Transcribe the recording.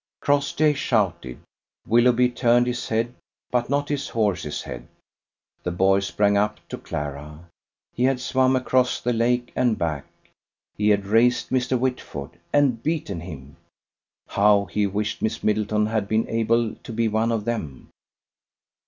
Crossjay shouted. Willoughby turned his head, but not his horse's head. The boy sprang up to Clara. He had swum across the lake and back; he had raced Mr. Whitford and beaten him! How he wished Miss Middleton had been able to be one of them!